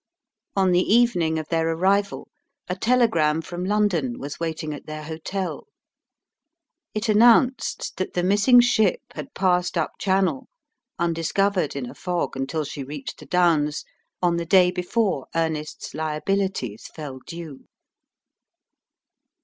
On the evening of their arrival a telegram from London was waiting at their hotel. It announced that the missing ship had passed up channel undiscovered in a fog until she reached the Downs on the day before Ernest's liabilities fell due.